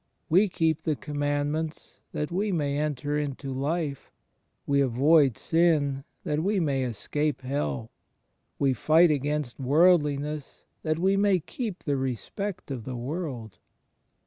We keep the commandments that we may enter into life; we avoid sin that we may escape hell; we fight against worldliness that we may keep the respect of the world.